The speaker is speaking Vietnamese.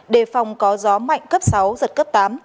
đề phòng có gió mạnh cấp sáu giật cấp tám